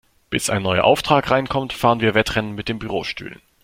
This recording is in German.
Bis ein neuer Auftrag reinkommt, fahren wir Wettrennen mit den Bürostühlen.